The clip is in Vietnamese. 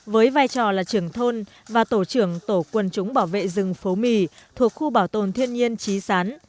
với vai trò là trưởng thôn và tổ trưởng tổ quân chúng bảo vệ rừng phố mì thuộc khu bảo tồn thiên nhiên trí sán